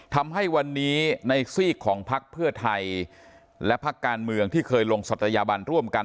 ทำให้วันนี้ในซีกของพักเพื่อไทยและพักการเมืองที่เคยลงศัตยาบันร่วมกัน